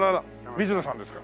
水野さんですか？